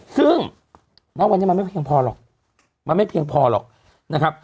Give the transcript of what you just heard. ซึ่งณวันนี้มันไม่เพียงพอหรอกมันไม่เพียงพอหรอกนะครับ